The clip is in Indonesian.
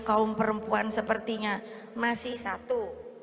kaum perempuan sepertinya masih satu